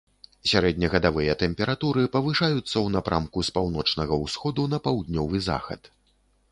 Сярэднегадавыя тэмпературы павышаюцца ў напрамку з паўночнага ўсходу на паўднёвы захад.